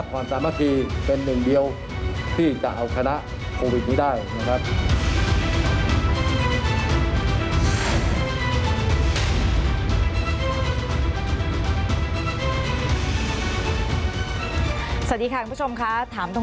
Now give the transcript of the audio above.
สวัสดีค่ะคุณผู้ชมค่ะ